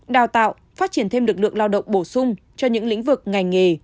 đào tạo phát triển thêm lực lượng lao động bổ sung cho những lĩnh vực ngành nghề